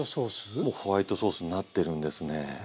もうホワイトソースになってるんですね。